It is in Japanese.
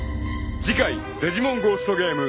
［次回『デジモンゴーストゲーム』］